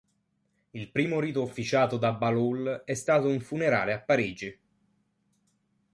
Il primo rito officiato da Bahloul è stato un funerale a Parigi.